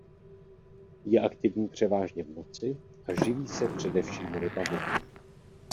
Je aktivní převážně v noci a živí se především rybami.